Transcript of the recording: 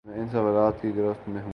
میں ان سوالات کی گرفت میں ہوں۔